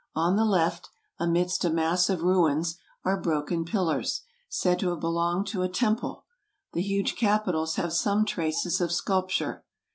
On the left, amidst a mass of ruins, are broken pillars, said to have belonged to a temple ; the huge capitals have some traces of sculpture.